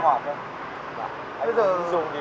không ạ bây giờ toàn sim chưa kỹ hoạt